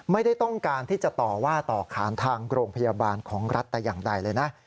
ไม่ได้ต้องการที่จะต่อว่าต่อขานทางโรงพยาบาลของรัฐแต่อย่างใดเลยนะ